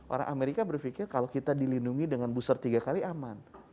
orang amerika berpikir kalau kita dilindungi dengan booster tiga kali aman